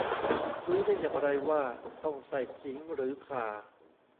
รู้ได้อย่างไรว่าต้องใส่ขิงหรือข่า